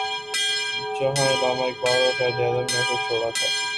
جہاں علامہ اقبال اور قائد اعظم نے اسے چھوڑا تھا۔